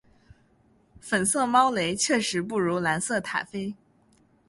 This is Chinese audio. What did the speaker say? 粉色猫雷确实不如蓝色塔菲